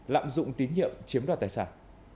lạm dụng tín nhiệm chiếm đoạt tài sản